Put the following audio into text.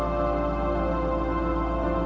oke baik baik aja